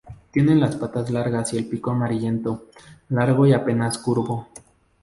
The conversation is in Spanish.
Tiene las patas largas y el pico amarillento, largo y apenas curvo.